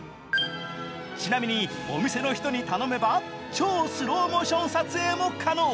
ちなみにお店の人に頼めば超スローもション撮影も可能。